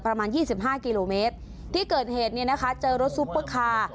ประมาณยี่สิบห้ากิโลเมตรที่เกิดเหตุเนี่ยนะคะเจอรถซุปเปอร์คาร์